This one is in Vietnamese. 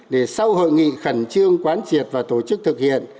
để sau hội nghị khẩn trương quán triệt và tổ chức thực hiện